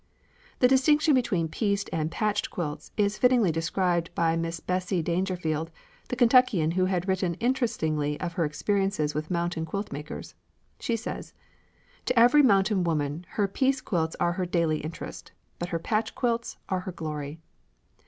The distinction between "pieced" and "patched" quilts is fittingly described by Miss Bessie Daingerfield, the Kentuckian who has written interestingly of her experiences with mountain quilt makers. She says: "To every mountain woman her piece quilts are her daily interest, but her patch quilts are her glory.